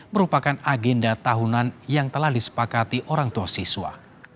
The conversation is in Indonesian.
merupakan agenda tahunan yang telah disepakati orang tua siswa